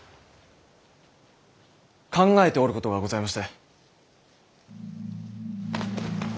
考えておることがございまして。